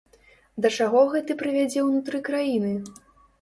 Да чаго гэты прывядзе ўнутры краіны?